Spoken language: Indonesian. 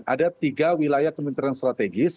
ada tiga wilayah kementerian strategis